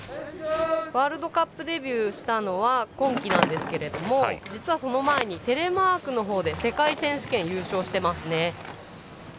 ワールドカップデビューしたのは今季なんですけれども実はその前にテレマークのほうで世界選手権優勝してますね。